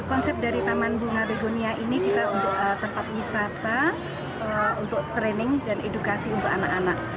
konsep dari taman bunga begonia ini kita untuk tempat wisata untuk training dan edukasi untuk anak anak